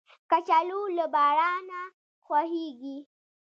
کچالو له بارانه خوښیږي